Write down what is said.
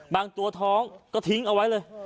บางตัวท้องก็ทิ้งเอาไว้เลย